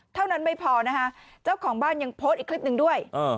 เท่านั้นไม่พอนะคะเจ้าของบ้านยังโพสต์อีกคลิปหนึ่งด้วย